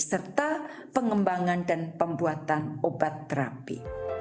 serta pengembangan dan pembuatan obat terapi